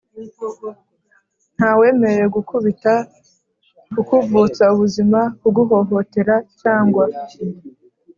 ntawemerewe kugukubita, kukuvutsa ubuzima, kuguhohotera cyangwa